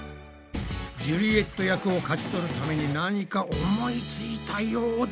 ジュリエット役を勝ち取るために何か思いついたようだ。